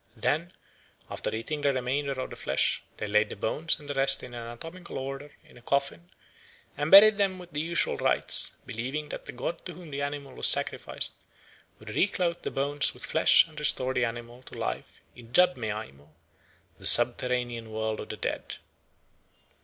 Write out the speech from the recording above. Then, after eating the remainder of the flesh, they laid the bones and the rest in anatomical order in a coffin and buried them with the usual rites, believing that the god to whom the animal was sacrificed would reclothe the bones with flesh and restore the animal to life in Jabme Aimo, the subterranean world of the dead.